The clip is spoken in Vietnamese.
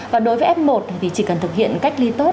và đối với f một thì chỉ cần thực hiện cách ly tốt